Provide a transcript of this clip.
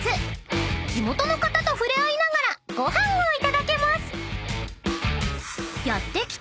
［地元の方とふれ合いながらご飯をいただけます］